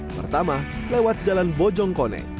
pertama lewat jalan bojongkone